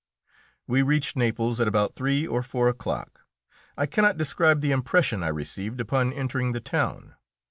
We reached Naples at about three or four o'clock. I cannot describe the impression I received upon entering the town.